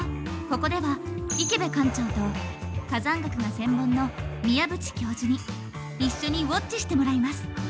ここでは池辺館長と火山学が専門の宮縁教授に一緒にウォッチしてもらいます。